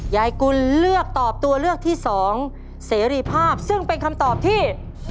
กุลเลือกตอบตัวเลือกที่สองเสรีภาพซึ่งเป็นคำตอบที่